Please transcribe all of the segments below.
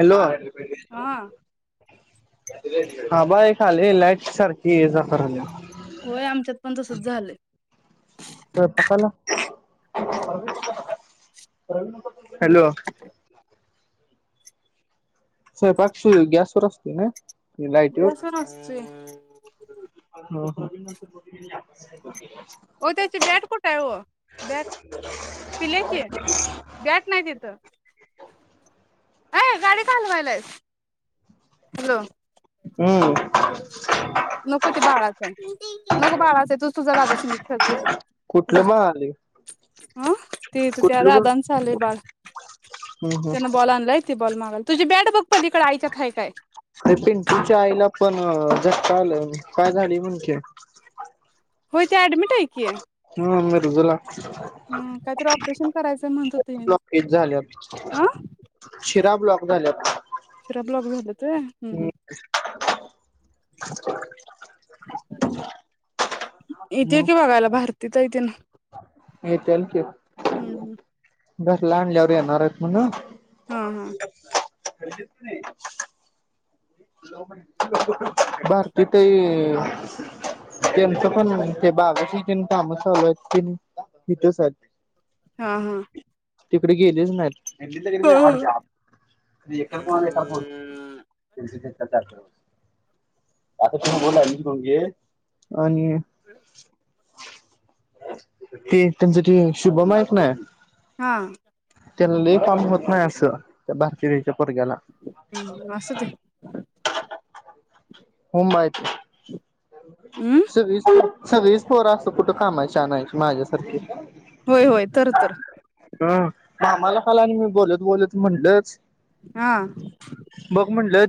Hello हा. हा बा एक लाईट सारखी ये -जा कराल्या होय आमच्यात पण तसंच झालंय. स्वयंपाकाला हॅलो स्वयपाक गॅसवरअसतोय ना? लाईटीवर गॅसवर असतोय [unintelligible] ओ त्याची बॅट कुठे आहे हो बॅट पिल्याची बॅट नाही तिथं अ गाडी का हलवायला आहेस? हॅलो! हम्म नको ते बाळाचं आहे नको बाळाच आहे तूझ तू जा दादा संग खेळ कुठलं जा मग आले तिकडे जा अ कुठलं बघ दादांचं आलंय बाळ हम्म त्यानं हम्म बॉल आणलाय ते बॉल मागालय तुझी बॅट बघ पली कळाआई आहे काय? अरे पिंटूच्या आईला पण झटका आलाय म्हण काय झालंय म्हण की होय ते ॲडमीट आहे कि हम्म मिरजला हम् काहीतरी ऑपरेशन करायचं म्हणत होते ह्यांनी ब्लॉकेज झाल्यात हं शिरा ब्लॉक झाल्यात शिरा ब्लॉक झालेत ते हम् हम् येत्या कि मग बघायला भारती ताई तेन हम्म हम्म. [unintelligible] घरला आणल्यावर येणार आहेत म्हणं हा हा. [inaudible] कधीच नाही भारती ताई त्यांचं पण ते बागाशी काम चालू आहेत ते इथंच आहेत हा हा तिकडे गेलेच नाहीत [unintelligible] चार आता तुम्ही बोला मी कोून घे आणि ते त्यांच्या शुभम आहेत ना हा त्या काम होत नाही असं त्या भारतीयच्या हम्म आसच ये हो म हम्म सगळी सगळीच पोर आस कुठ कामाची आणायची माझ्यासारखी होय होय तर तर हं मामाला काल आणि मी बोलत बोलत म्हणलच हा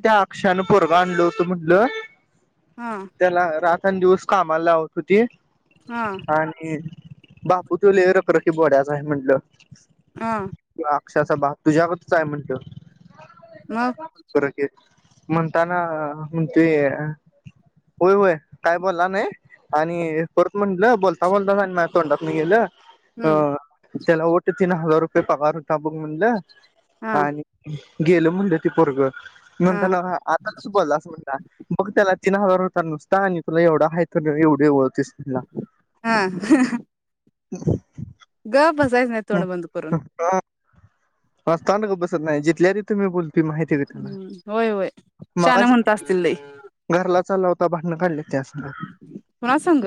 त्या अक्षानं पोरगं आणलं होत म्हटलं हा त्याला रात आणि दिवस कामाला लावत होती हा आणि बापू तो लय रखरख ती बोड्याच हाय म्हटलं हा अक्षाचा बाप तुझ्यावर चा हाय म्हणलं मग परत तेच म्हणताना म्हणतोय होय होय काय बोलला नाही आणि परत म्हटलं बोलता बोलता आणि माझ्या तोंडात न गेलं. हम्म ह तेला वाटल तिन हजार ते पगार आता बघ म्हणलं हा आणि गेलं म्हणलं ते पोरग हा नंतर आताच बोललासं म्हणता बग त्याला तीन हजार नुसत आणि तुला एवढा आहे तर एवढे म्हणला हा ह ह ह गप बस जायच नाही तोंड बंद करून हस्ता ना गप बसत नाही मी जितल्या तिथ बोल हम्म होय होय शान म्हणत असतील लय चाला होता भांडण काडली त्यासनी कुणा संग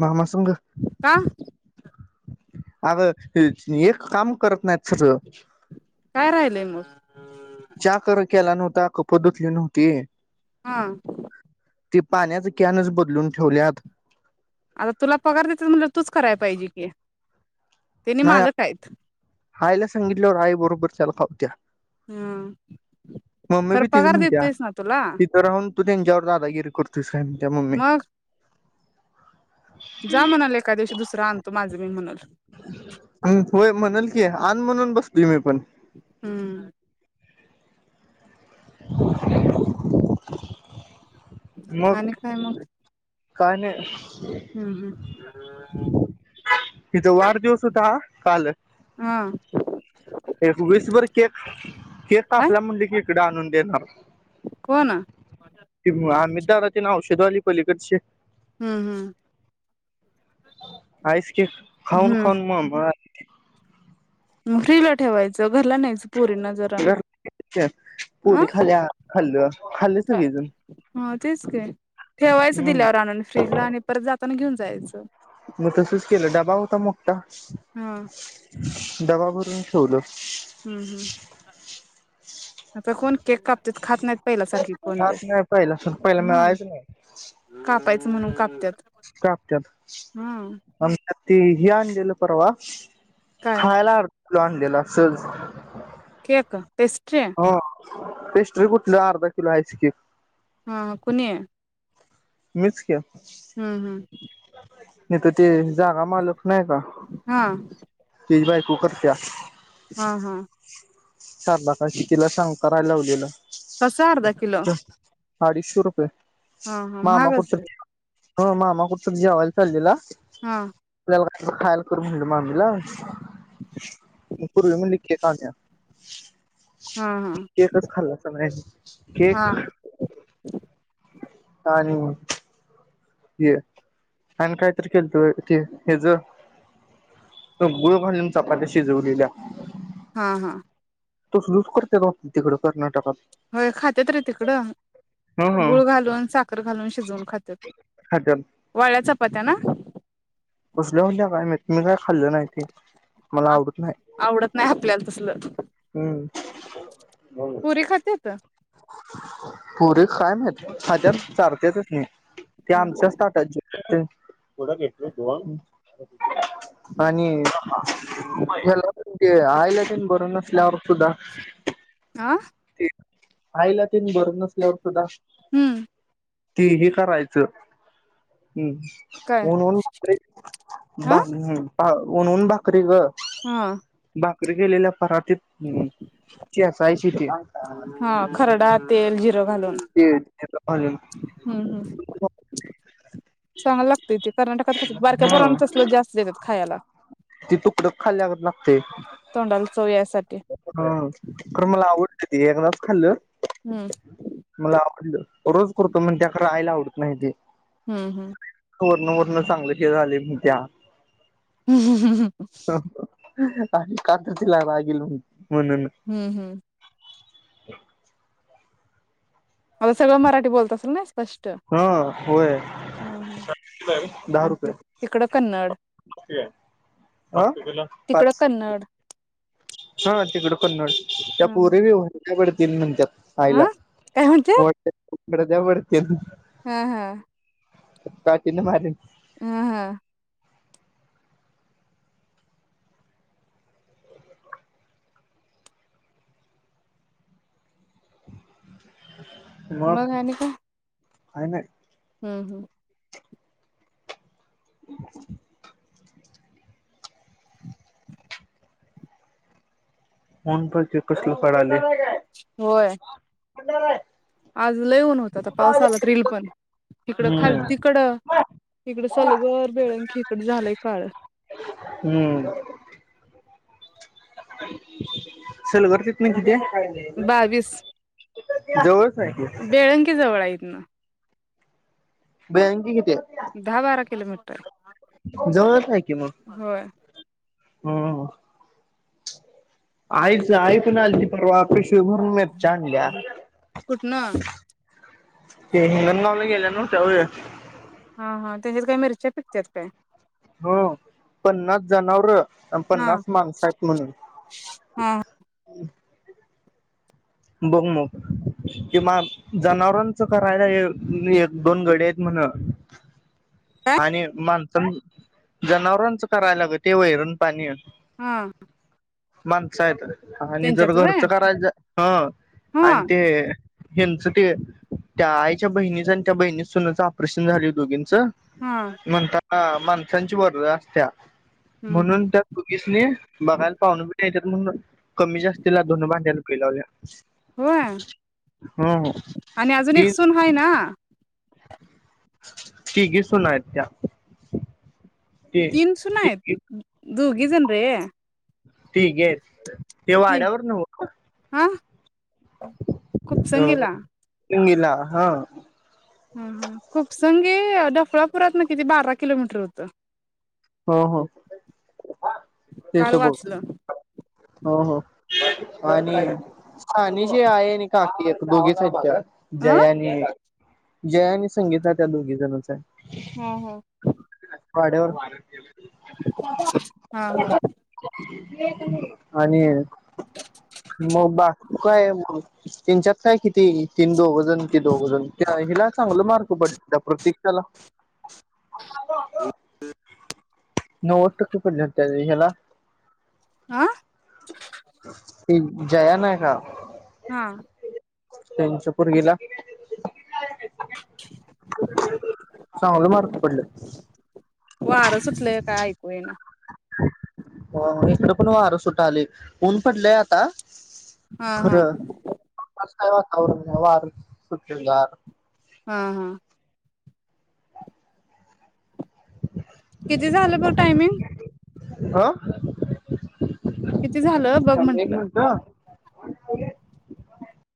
मामासंग का आग हे नी एक काम करत नाहीत सरळ काय राहिलंय मग च्या कर केला न हो ता कप धुतली न्हवती हा ती पाण्याच कॅनच बदलून ठेवल्यात आता तुला पगार देतेत म्हणल्यावर तूच करायला पाहिजे की त्यांनी नाही मालक आहेत आयला सांगितल्यावर आई बरोबर त्याला त्या हम्म मम्मी खर बी तीच पगार म्हणत्याय देतोयस ना तुला तिथं राहून तू त्यांच्यावर दादागिरी कर तुयस काय म्हणती मम्मी मग जा म्हणल एका दिवशी दुसर आणतो माझं मी म्हणल होय म्हणल की आण म्हणून बसतोय मी पण हम्म मग आणि काय मग काय नाय? हम्म हम् तिथ वाढदिवस होता काल हा एक विसभर केक केक काय कापल्या म्हणल की तिकड आणून देणार कोण तेमुळ आम्हीच [unintelligible] औषध वाली पलीकडचे हम्म हम्म आईस केक खाऊन खाऊन मळ मळाय म फ्रिज ला ठेवायचं घरला नाहीच पोरी ना जरा घर अं पुरी खाल्या खाल्लं खाल्ले सगळेजण तेच की ठेवायचं दिल्यावर हम्म आणून फ्रीजला आणि परत जाताना घेऊन जायच मग तसच केलं डबा होता मो ठ्ठा हा डबा भरून ठेवलं. हम्म हम्म आता कोण केक कापतेत खात नाहीत. पहिल्यासारखी कोण खात लय नाही पहिल्या पहिला हा मिळायच नाही. कापायचं म्हणून कापत्यात कापत्यात हा ते हि आणलेलं परवा काय खायला प्लो आणलेला सहज केक? पेस्ट्री? हो पेस्ट्री कुठलं अर्धा किलो आईस केक हा कुनी मिच कि हम्म हम्म नाईतं ते जागा मालक नाही का हा तेजी बायको करत्या हा हा शारदा काकी तीला सांगता बाहेर लावलेलं. कसं अर्धा किलो? अडीचशे रुपये. हं हं महागअसलं? हो मामा कुठं तर जेवाय चाललेला हा तवर खायाला करून दिलं मामीला. पुरवी मी लिखी खाण्या हा हा केकच खाल्लासा व्हय. हा केक आणि हे आणि कायतरी केलतं बइ ते हेज त गुळ घालून चपात्या शिजवलेल्या. हा हा तसलच करत्यात वाटतं तिकडं कर्नाटकात. होय खात्यात रे तिकडं ह ह गूळ घालून, साखर घालून, शिजवून खात्यात खात्यात वाळ्याचप पात्या ना? कसल्या हुत्या काय मइत. मी काय खाल्लं नाही ते मला ह आवडत आवडत नाही आपल्याला तसल. हूं खात्यात? पुरी खाय म्हेत खात्यात चाारत्यातच की ते आमच्याच ताटात जे थोडा घेतेल जेवन आणि आ ते आयला तेन बरं नसं चार सुद्धा आ? आईला तीन बरं नसल्यावर सुद्धा हम्म ती हे करायचं [unintelligible] काय? हा हा ऊन ऊन भाकरी ग हा भाकरी केलेल्या परातीत हूं चेचायची ती हा खरडा तेल हे [unintelligible] अजून हम्म हम्म [unintelligible] चांगलं लागतंय ते कर्नाटकात खातात बारक्या हं पोरांना तसलं जास्त देतात खायला. ती तुकड खाल्ल्यागत लागतंय तोंडाला चव यायसाठी. हं खरं मला आवडतं ते एकदाच हम्म खाल्लं मला आवडलं रोज करतो मण त्याकड आयला आवडत नाही ते हूं हूं वरनं वरनं चांगल हे झालेलन त्या हूं हूं हूं हूं [unintelligible] का त तिला राग येईल म्हणून हूं हूं [inaudible] अ सगळं मराठी बोलत असल नाय हां होय हम्म. [unintelligible] दहा आणि रुपये. तिकडं कन्नड [unintelligible] आं तिकडं पाच कन्नड हा तिकडं कन्नड त्या पोरी हा बी हो उघडतील नंतर आयला काय म्हणत्यात? वट [unintelligible] हा हा काठीनं मारीन. हां हां [inaudible] मग आणि काय? काय नई हम्म [inaudible] ऊन बग की कसल पडालय. होय [unintelligible] आज लै ऊन होतं आता पाऊस आला तर यील पण तिकडं हम्म खालतिकडं तिकडं सलगर बेळंकी इकडं झालंय काळं. हम्म सलगर तिथनं कितीए? [unintelligible] जवळ बेळंगी जवळ हाय इथनं. बँक कि दहा बारा किलोमीटर ताय जवळच हाय कि म. हं ह आईच आई पण आलती परवा पिश पीव्हर मीरच्या कुठनं आणल्यात. ते हिंगंणगावला गेल्यालो त्याव हा हा त्याच्यात काय मिरच्या पिकत्यात काय ह पन्नास जनावर अन हा पन्नास माणस आहेत म्हणून. हा बघ मग किंमान जनावरांचं करायला एक एक दोन गडी आहेत म्हण. काय आणि मन जनावरांचं करायलाग ते वैरण पाणी. हा माणस हायत. आणि जर त्यांच्यात व्हय घरचं करायच हा हा आणि ते हेंच ते त्या आईच्या बहिणीचा त्या बहिणीच्या सुनच ऑपरेशन झालय दोघिन च हा म्हणता हा माणसांची वरदळ असत्या हम्म म्हणून त्या कुकीसने बघायला पाहून बि ऊन कमी जास्तीला धून भांड्याला बी लावल्या होय ह आणि आजून एक सून हाय ना [inaudible] तीघी सुना आहेत त्या ती तीन सुना येत तिघी दोघी जण रे तिघी येत हे वाड्यावर नव खूपसंगीला [unintelligible] हा- हा हा खुपसंगे डफळापुरातन किती बारा किलोमीटर होतं हो हो हे इथ काल बघू वाचलं हो हो आणि आणिजे आहे नि काकी येत दोघीच हायेत का अ हा जया नी जया आणि संगीता त्या दोघी जणच आहे हम् हम वाड्यावर हा हा आणि मग बा काय मग त्यांच्यात काय किती तीन दोघजण ते दोघजण त्या हिला चांगल मार्क पडत प्रतीक्षेला [unintelligible] नव्वद टक्के पडले त्या ह्याला आ [unintelligible] जया नाही का हा त्यांच्यापूर गेला चांगलं मार्ग पडलं वार सुटलंय का ऐकू ये ना हो इकडं पण वार सुटाले ऊन पडलंय आता हा हा खरं आज काय वातावरण झालं वार सुटलेल गार हम हम किती झालं भाऊ टायमिंग आ किती झालं बघ म्हंटलं [unintelligible]